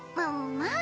まあ